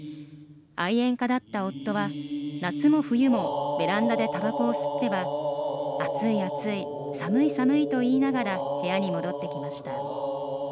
愛煙家だった夫は、夏も冬もベランダでたばこを吸っては「暑い暑い」「寒い寒い」と言いながら部屋に戻ってきました。